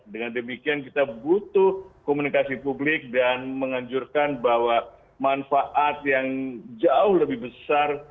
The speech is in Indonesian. dengan demikian kita butuh komunikasi publik dan menganjurkan bahwa manfaat yang jauh lebih besar